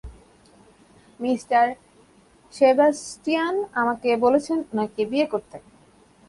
Mister Sebastian আমাকে বলছেন ওনাকে বিয়ে করতে।